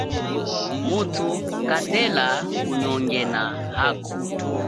Mutu katela kunyongena ako.